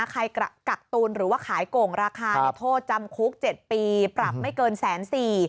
กักตุลหรือว่าขายโก่งราคาโทษจำคุก๗ปีปรับไม่เกินแสนสี่